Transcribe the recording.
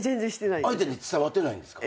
相手に伝わってないんですか？